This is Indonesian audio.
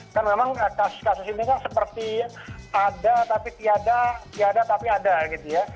kan memang kasus kasus ini kan seperti ada tapi tiada tiada tapi ada gitu ya